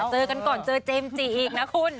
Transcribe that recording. เจอกันก่อนเจอเจมส์จิอีกนะคุณ